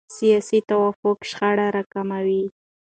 سیاسي توافق شخړې راکموي